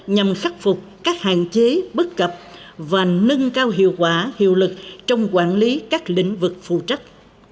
nhằm khắc phục các hạn chế bất cập và nâng cao hiệu quả hiệu lực trong quản lý các lĩnh vực phụ trách